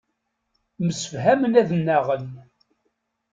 Msefhamen ad nnaɣen.